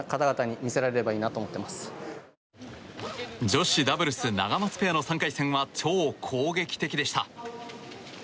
女子ダブルスナガマツペアの３回戦は超攻撃的でした。